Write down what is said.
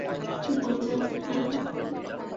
কী মজা না খাবারটা?